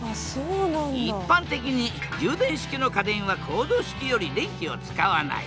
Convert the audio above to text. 一般的に充電式の家電はコード式より電気を使わない。